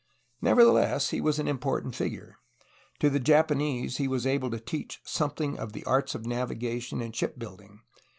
Neverthe less, he was an important figure. To the Japanese he was able to teach something of the arts of navigation and ship building.